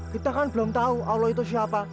kita kan belum tahu allah itu siapa